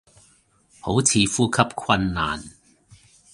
好似呼吸困難